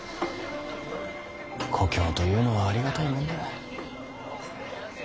故郷というのはありがたいもんだ。